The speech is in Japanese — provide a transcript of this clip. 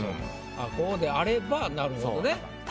あっこうであればなるほどね。